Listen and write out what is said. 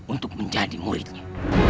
untuk menjadi muridnya